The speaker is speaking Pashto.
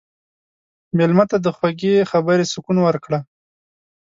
مېلمه ته د خوږې خبرې سکون ورکړه.